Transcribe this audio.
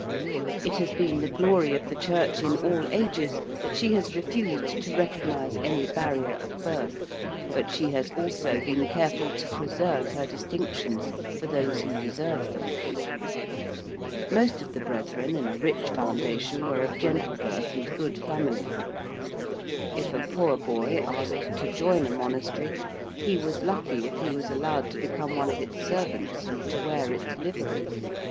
It has been the glory of the Church in all ages that she has refused to recognise any barrier of birth: but she has also been careful to preserve her distinctions for those who deserve them. Most of the brethren in a rich Foundation were of gentle birth and good family. If a poor boy asked to join a monastery he was lucky if he was allowed to become one of its servants and to wear its livery.